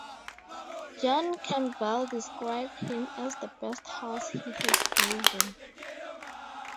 John Campbell described him as the best horse he has driven.